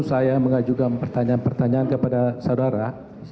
saya mengajukan pertanyaan pertanyaan kepada saudara